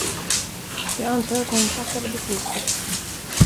Jag antar att hon fattade beslutet.